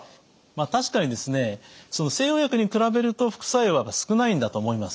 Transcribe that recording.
確かに西洋薬に比べると副作用は少ないんだと思います。